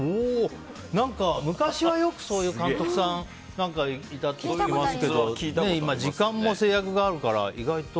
昔は、よくそういう監督さんがいたって聞いたことありますけど今は時間も制約があるから。